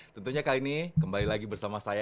tentunya kali ini kembali lagi bersama saya